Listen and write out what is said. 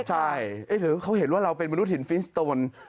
ใช่หรือเขาเห็นว่าเราเป็นมนุษย์หินฟิสโตน